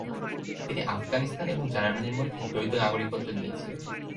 তিনি আফগানিস্তান এবং জার্মানির মধ্যে দ্বৈত নাগরিকত্ব নিয়েছিলেন।